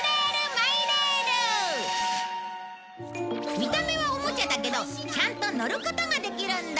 見た目はおもちゃだけどちゃんと乗ることができるんだ！